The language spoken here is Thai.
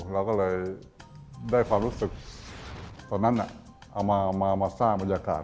เราก็เลยได้ความรู้สึกตอนนั้นเอามาสร้างบรรยากาศ